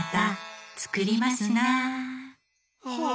はあ。